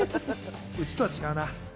うちとは違うな。